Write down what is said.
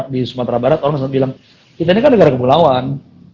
di sumatera barat orang bilang kita ini kan negara kepulauan